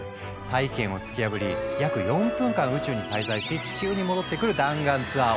大気圏を突き破り約４分間宇宙に滞在し地球に戻ってくる弾丸ツアー。